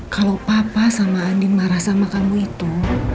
kalau papa sama adi marah sama kamu itu